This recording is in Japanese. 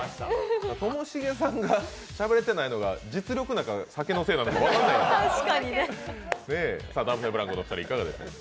ともしげさんがしゃべれてないのが実力なのか酒のせいなのか分からないね。